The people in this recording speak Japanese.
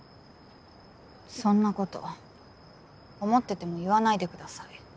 そんなこと思ってても言わないでください。